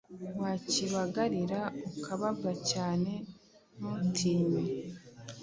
Wakibagarira ukababwa cyane ntutinye